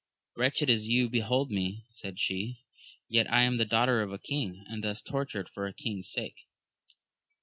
Wretched as you behold me, said she, yet am I the daughter of a king, and thus tortured for a king's sake.